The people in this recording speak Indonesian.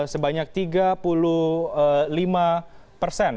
sebanyak tiga puluh lima persen